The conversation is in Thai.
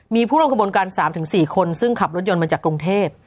มีผู้ร่วมขบวนการ๓๔คนซึ่งขับรถยนต์มาจากกรุงเทพ